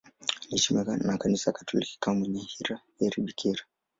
Anaheshimiwa na Kanisa Katoliki kama mwenye heri bikira.